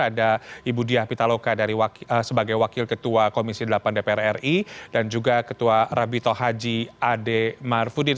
ada ibu diah pitaloka sebagai wakil ketua komisi delapan dpr ri dan juga ketua rabito haji ade marfudin